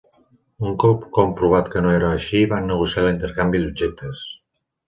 Un cop comprovat que no era així van negociar l'intercanvi d'objectes.